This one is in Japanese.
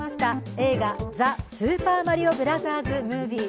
映画「ザ・スーパーマリオブラザーズ・ムービー」。